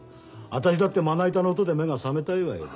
私だってまな板の音で目が覚めたいわよ」だ。